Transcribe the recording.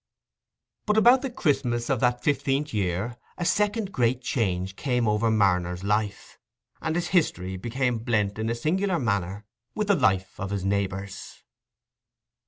But about the Christmas of that fifteenth year, a second great change came over Marner's life, and his history became blent in a singular manner with the life of his neighbours.